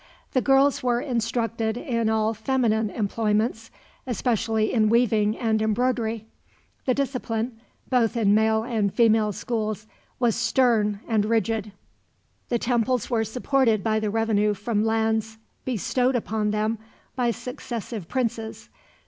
The girls were instructed in all feminine employments, especially in weaving and embroidery. The discipline, both in male and female schools, was stern and rigid. The temples were supported by the revenue from lands bestowed upon them by successive princes.